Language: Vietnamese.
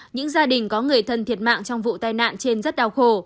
những gia đình có người thân thiệt mạng trong vụ tai nạn trên rất đau khổ